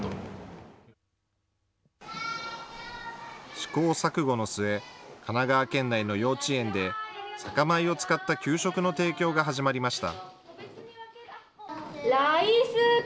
試行錯誤の末、神奈川県内の幼稚園で、酒米を使った給食の提供が始まりました。